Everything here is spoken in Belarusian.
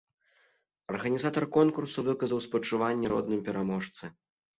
Арганізатар конкурсу выказаў спачуванні родным пераможцы.